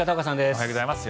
おはようございます。